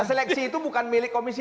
seleksi itu bukan milik komisi